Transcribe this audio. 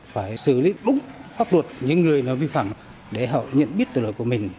phải xử lý đúng pháp luật những người nó vi phạm để họ nhận biết tội lỗi của mình